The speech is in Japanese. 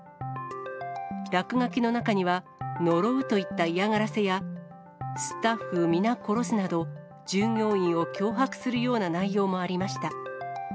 落書きの中には、呪うといった嫌がらせや、スタッフ皆コロスなど、従業員を脅迫するような内容もありました。